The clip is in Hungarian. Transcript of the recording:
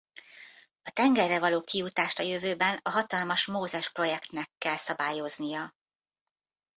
A tengerre való kijutást a jövőben a hatalmas Mózes projektnek kell szabályoznia.